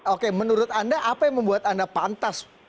oke menurut anda apa yang membuat anda pantas